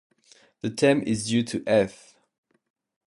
The term is due to F.